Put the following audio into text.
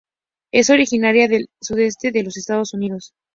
Es originaria del sudeste de los Estados Unidos.